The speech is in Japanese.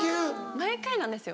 毎回なんですよ